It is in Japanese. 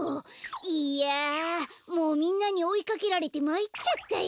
いやもうみんなにおいかけられてまいっちゃったよ。